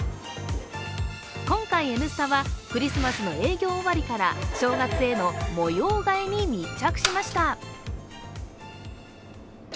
今回、「Ｎスタ」はクリスマスの営業終わりから、正月への模様替えに密着しました。